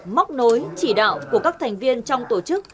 móc nối chỉ đạo của các thành viên trong tổ chức